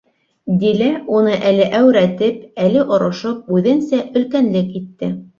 Дилә, уны әле әүрәтеп, әле орошоп, үҙенсә өлкәнлек итте.